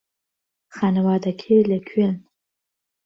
خانەوادەکەی لەکوێن؟